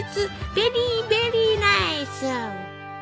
ベリーベリーナイス！